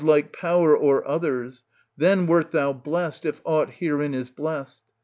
1 170 1234 like power o'er others, then wert thou blest, if aught herein is blest.